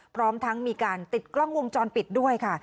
พร้อมทั้งมีการติดกล้องวงจรปิดด้วยค่ะ